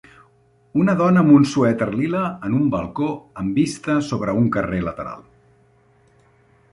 Una dona amb un suèter lila en un balcó amb vista sobre un carrer lateral